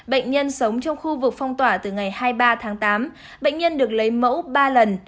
bệnh nhân sống trong khu vực phong tỏa từ ngày hai mươi ba tháng tám bệnh nhân được lấy mẫu ba lần